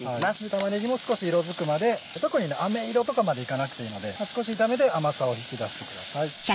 玉ねぎも少し色づくまで特にあめ色とかまでいかなくていいので少し炒めて甘さを引き出してください。